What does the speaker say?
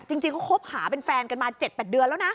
จริงเขาคบหาเป็นแฟนกันมา๗๘เดือนแล้วนะ